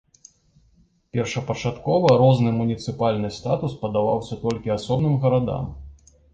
Першапачаткова розны муніцыпальны статус падаваўся толькі асобным гарадам.